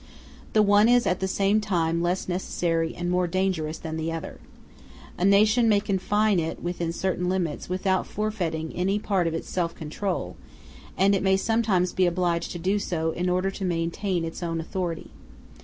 The one is at the same time less necessary and more dangerous than the other. A nation may confine it within certain limits without forfeiting any part of its self control; and it may sometimes be obliged to do so in order to maintain its own authority.